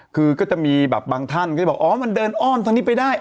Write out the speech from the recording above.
คือก็จะมีแบบบางท่านก็บอกอ๋อมันเดินอ้อนทางนี้ไปได้